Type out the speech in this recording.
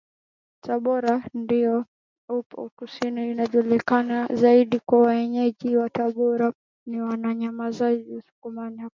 Tabora ndio upo kusini Inajulikana zaidi kuwa Wenyeji wa Tabora ni WanyamweziUsukumani hakuna